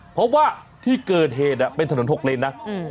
พบว่าที่เกิดเหตุอ่ะเป็นถนนหกเลนนะอืม